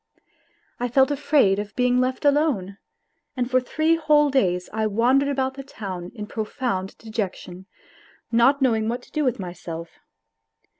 I felt afraid of being left alone, and for three whole days I wandered about the town in profound dejection, not know ing what to do with myself.